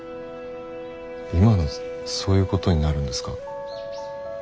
今のそういうことになるんですか？